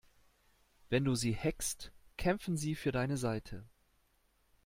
Wenn du sie hackst, kämpfen sie für deine Seite.